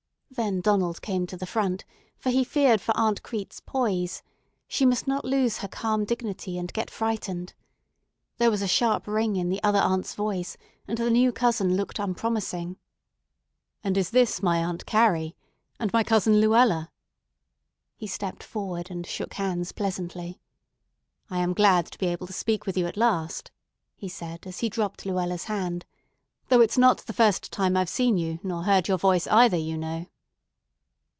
Then Donald came to the front, for he feared for Aunt Crete's poise. She must not lose her calm dignity and get frightened. There was a sharp ring in the other aunt's voice, and the new cousin looked unpromising. "And is this my Aunt Carrie? And my Cousin Luella?" He stepped forward, and shook hands pleasantly. "I am glad to be able to speak with you at last," he said as he dropped Luella's hand, "though it's not the first time I've seen you, nor heard your voice, either, you know."